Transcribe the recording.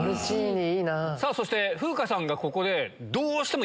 そして風花さんがここで。